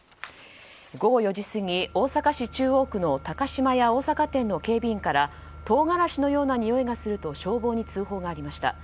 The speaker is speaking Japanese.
午後４時過ぎ大阪市中央区の高島屋大阪店の警備員から唐辛子のようなにおいがすると消防に通報がありました。